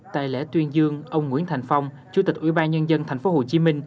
tại lễ tuyên dương ông nguyễn thành phong chủ tịch ủy ban nhân dân tp hcm